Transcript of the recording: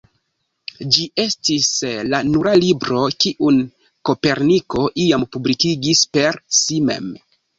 Ĝi estis la nura libro kiun Koperniko iam publikigis per si mem.